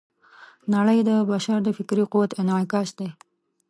نړۍ د بشر د فکري قوت انعکاس دی.